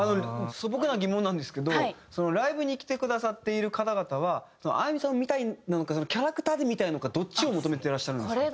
素朴な疑問なんですけどライブに来てくださっている方々は愛美さんを見たいなのかキャラクターで見たいのかどっちを求めてらっしゃるんですか？